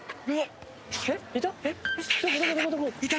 えっいた？